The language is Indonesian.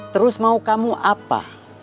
terus mau kamu apa